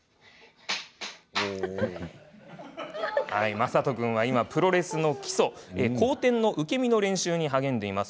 雅都君は今、プロレスの基礎後転の受け身の練習に励んでいます。